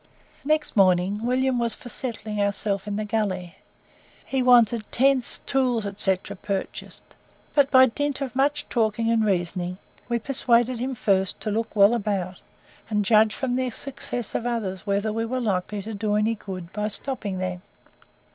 Next morning William was for settling ourselves in the gully. He wanted tents, tools, &c., purchased, but by dint of much talking and reasoning, we persuaded him first to look well about, and judge from the success of others whether we were likely to do any good by stopping there.